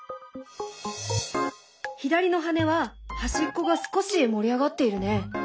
左の羽は端っこが少し盛り上がっているね。